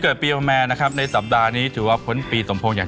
ก็เลยกลางไปด้วยนะครับ